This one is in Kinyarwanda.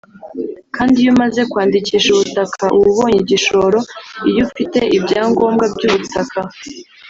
kandi iyo umaze kwandikisha ubutaka uba ubonye igishoro iyo ufite ibyangombwa by’ubutaka